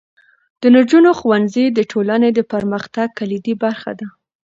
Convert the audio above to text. د نجونو ښوونځی د ټولنې د پرمختګ کلیدي برخه ده.